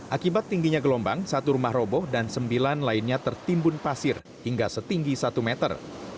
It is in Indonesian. akibat tingginya gelombang satu rumah roboh dan sembilan lainnya tertimbun pasir hingga setinggi satu meter